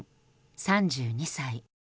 ３２歳。